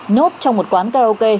nhốt trong một quán karaoke